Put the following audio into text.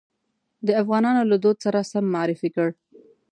د افغانانو له دود سره سم معرفي کړ.